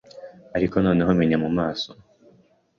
ariko noneho menya mu maso